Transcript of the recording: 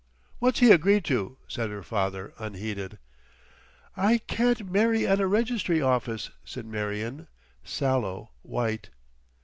"What's he agreed to?" said her father—unheeded. "I can't marry at a registry office," said Marion, sallow white.